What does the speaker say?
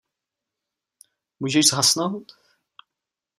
Můžeš zhasnout?